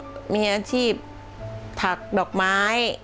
ก็มีอาชีพผักดอกไม้